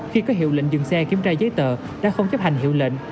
khi có hiệu lệnh dừng xe kiểm tra giấy tờ đã không chấp hành hiệu lệnh